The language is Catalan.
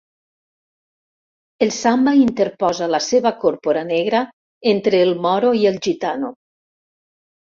El Samba interposa la seva còrpora negra entre el moro i el gitano.